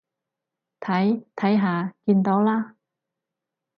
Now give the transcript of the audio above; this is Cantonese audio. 睇，睇下，見到啦？